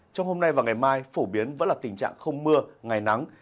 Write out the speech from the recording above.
trong hôm nay và ngày mai phổ biến vẫn là tình trạng không mưa ngày nắng